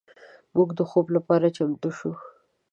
موږ د خوب لپاره چمتو شو.